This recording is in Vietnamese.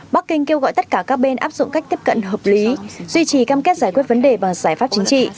bắc kinh kêu gọi tất cả các bên áp dụng cách tiếp cận hợp lý duy trì cam kết giải quyết vấn đề bằng giải pháp chính trị